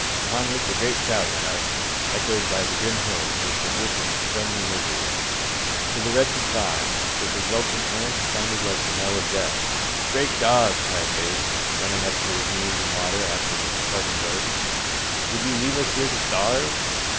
Upon which a great shout went up, echoed by the grim hills which had witnessed so many miseries. To the wretched five, this exultant mirth sounded like a knell of death. "Great God!" cried Bates, running up to his knees in water after the departing boats, "would you leave us here to starve?"